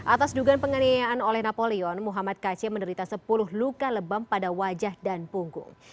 atas dugaan penganiayaan oleh napoleon muhammad kc menderita sepuluh luka lebam pada wajah dan punggung